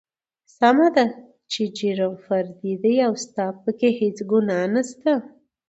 سمه ده چې جرم فردي دى او ستا پکې هېڅ ګنا نشته.